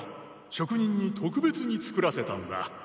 職人に特別に作らせたんだ。